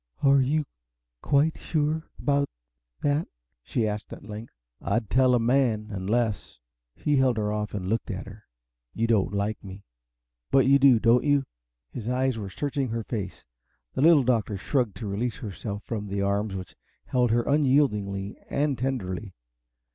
"Are you quite sure about that?" she asked at length. "I'd tell a man! Unless" he held her off and looked at her "you don't like me. But you do, don't you?" His eyes were searching her face. The Little Doctor struggled to release herself from the arms which held her unyieldingly and tenderly.